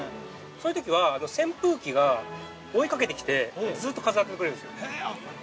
そういう時は、扇風機がずっと風を当ててくれるんですよ。